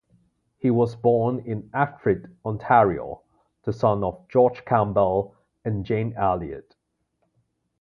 He was born in Ekfrid, Ontario, the son of George Campbell and Jane Elliott.